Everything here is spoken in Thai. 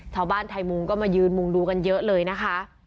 ไทยมุงก็มายืนมุงดูกันเยอะเลยนะคะ